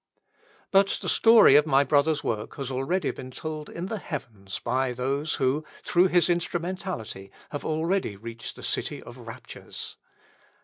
But the story of my brother's work has already been told in the Heavens by those who, through his instrumentality, have already reached the City of Raptures.